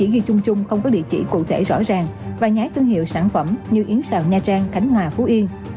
ghi chung chung không có địa chỉ cụ thể rõ ràng và nhái thương hiệu sản phẩm như yến xào nha trang khánh hòa phú yên